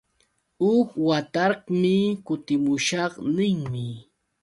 Huk watarqmi kutimushaq ninmi.